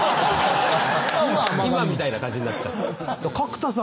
今みたいな感じになっちゃった。